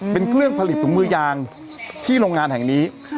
เป็นเครื่องผลิตถุงมือยางที่โรงงานแห่งนี้